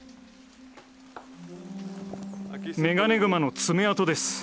メガネグマの爪痕です。